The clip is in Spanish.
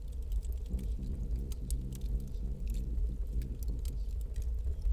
Socio de la Real Sociedad Valenciana de Agricultura y Deportes.